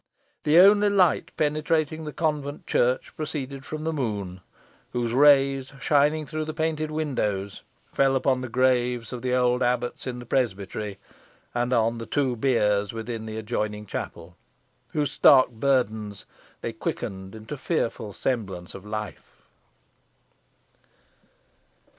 The only light penetrating the convent church proceeded from the moon, whose rays, shining through the painted windows, fell upon the graves of the old abbots in the presbytery, and on the two biers within the adjoining chapel, whose stark burthens they quickened into fearful semblance of life.